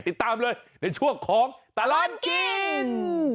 ติดตามเลยในช่วงของตลอดกิน